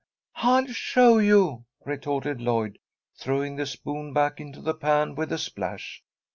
"I'll show you," retorted Lloyd, throwing the spoon back into the pan with a splash.